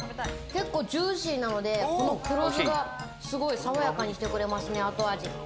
結構ジューシーなので、この黒酢がすごい爽やかにしてくれますね、後味。